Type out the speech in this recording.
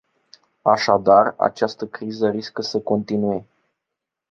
Așadar, această criză riscă să continue.